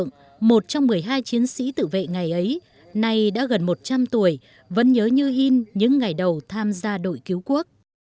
ông nguyễn khắc nhược một trong một mươi hai chiến sĩ tự vệ ngày ấy nay đã gần một trăm linh tuổi vẫn nhớ như hình những ngày đầu tham gia đội cứu quốc